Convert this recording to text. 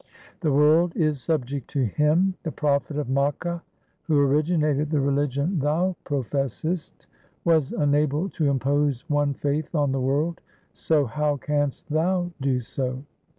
The world is subject to Him. The prophet of Makka who originated the religion thou professest, was unable to impose one faith on the world, so how canst thou do so